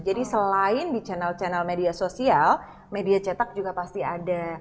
jadi selain di channel channel media sosial media cetak juga pasti ada